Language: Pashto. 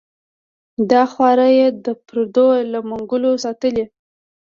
دا خاوره یې د پردو له منګلو ساتلې.